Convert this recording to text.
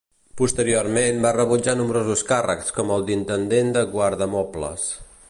Posteriorment va rebutjar nombrosos càrrecs com el d'intendent de guardamobles.